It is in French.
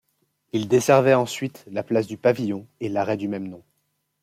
Ils desservaient ensuite la place du Pavillon et l'arrêt du même nom.